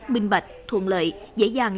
minh bạch thuận lợi dễ dàng